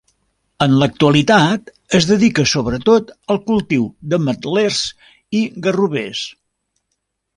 En l'actualitat es dedica sobretot al cultiu d'ametlers i garrovers.